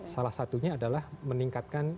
salah satunya adalah meningkatkan